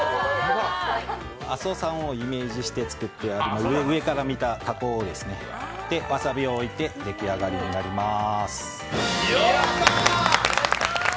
阿蘇山をイメージして作って上から見た火口を、わさびを置いて出来上がりになります。